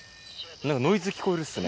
なんかノイズ聞こえるっすね。